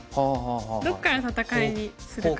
どっから戦いにするかっていう。